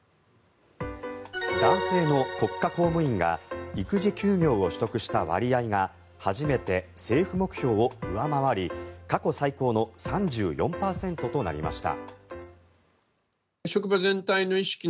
男性の国家公務員が育児休業を取得した割合が初めて政府目標を上回り過去最高の３４％となりました。